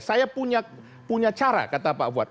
saya punya cara kata pak fuad